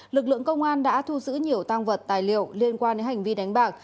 lực lượng công an đã thu giữ nhiều tăng vật tài liệu liên quan đến hành vi đánh bạc